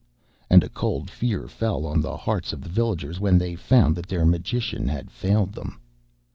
And a cold fear fell on the hearts of the villagers when they found that their magician had failed them.